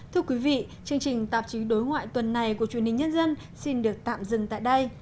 thưa quý vị chương trình tạp chí đối ngoại tuần này của truyền hình nhân dân xin được tạm dừng tại đây